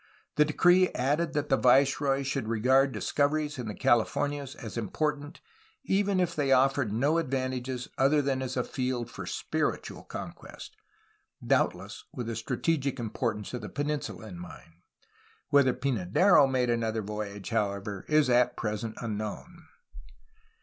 The decree added that the viceroy should regard discoveries in the Calif ornias as important, even if they offered no advantages other than as a field for spiritual conquest, — doubtless with the strategic importance of the peninsula in mind. Whether Pynadero made another voyage, however, is at present unknown.